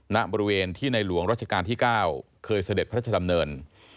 ณบริเวณที่ในหลวงรัชกาลที่๙เคยเสด็จพระราชดำเนิน